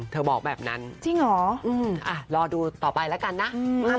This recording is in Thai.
พี่นายน้องชายอะไรอย่างนี้